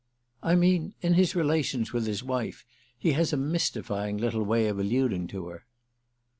"I mean in his relations with his wife. He has a mystifying little way of alluding to her."